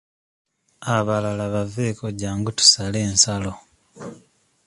Abalala baveeko jjangu tusale ensalo.